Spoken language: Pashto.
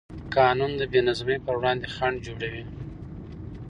قانون د بېنظمۍ پر وړاندې خنډ جوړوي.